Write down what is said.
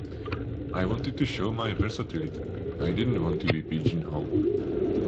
I wanted to show my versatility, I didn't want to be pigeon-holed.